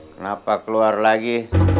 kenapa keluar lagi